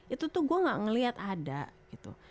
itu tuh gue nggak ngelihat ada gitu